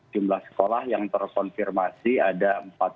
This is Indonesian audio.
jumlah sekolah yang terkonfirmasi ada empat puluh